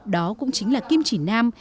đó cũng chính là kim chỉ nam